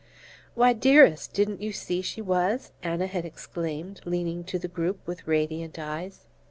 "Why, dearest, didn't you see she was?" Anna had exclaimed, leaning to the group with radiant eyes.